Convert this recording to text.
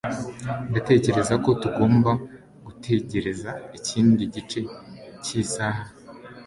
Ndatekereza ko tugomba gutegereza ikindi gice cy'isaha.